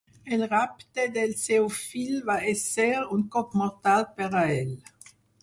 El rapte del seu fill va ésser un cop mortal per a ell.